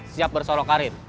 siap bersolok karir